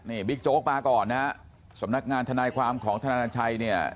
นี่บิ๊กโจ๊กมาก่อนนะสำนักงานฐานายความของฐานายอันนันชัยเนี่ย